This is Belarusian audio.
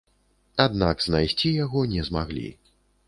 Аднак знайсці яго не змаглі.